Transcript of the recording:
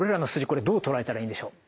これどう捉えたらいいんでしょう？